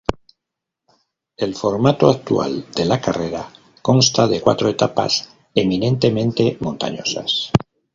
El formato actual de la carrera consta de cuatro etapas eminentemente montañosas.